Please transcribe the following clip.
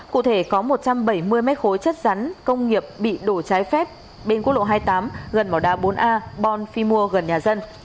cụ thể có một trăm bảy mươi mét khối chất rắn công nghiệp bị đổ trái phép bên quốc lộ hai mươi tám gần mỏ đá bốn a bon fimua gần nhà dân